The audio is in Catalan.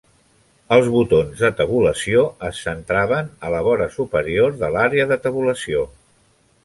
Els botons de tabulació es centraven a la vora superior de l'àrea de tabulació.